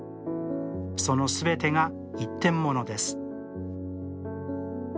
そのすべてが一点物です